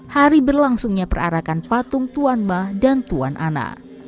hari berlangsungnya perarakan patung tuan ma dan tuan ana